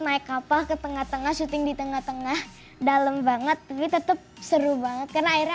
naik kapal ke tengah tengah syuting di tengah tengah dalam banget tapi tetep seru banget karena airnya